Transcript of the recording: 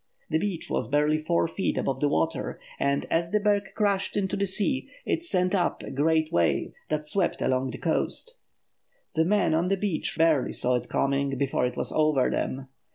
The beach was barely four feet above the water, and, as the berg crashed into the sea, it sent up a great wave that swept along the coast. The men on the beach barely saw it coming before it was over them.